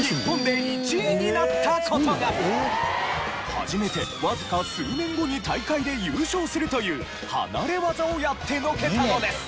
始めてわずか数年後に大会で優勝するという離れ業をやってのけたのです。